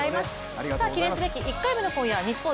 記念すべき１回目の今夜はこちら。